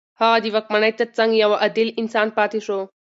هغه د واکمنۍ تر څنګ يو عادل انسان پاتې شو.